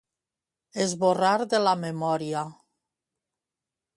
Esborrar de la memòria.